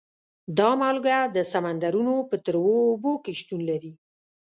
دا مالګه د سمندرونو په تروو اوبو کې شتون لري.